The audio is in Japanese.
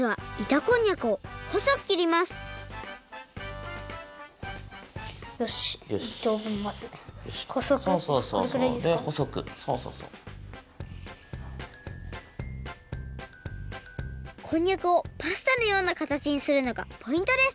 こんにゃくをパスタのようなかたちにするのがポイントです。